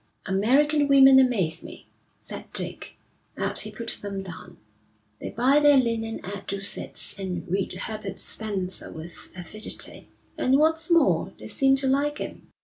'American women amaze me,' said Dick, as he put them down. 'They buy their linen at Doucet's and read Herbert Spencer with avidity. And what's more, they seem to like him.